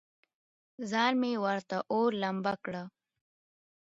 ځان مې ورته اور، لمبه کړ.